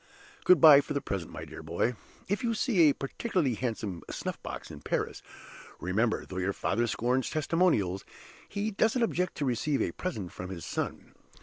"Good by, for the present, my dear boy. If you see a particularly handsome snuff box in Paris, remember though your father scorns Testimonials he doesn't object to receive a present from his son.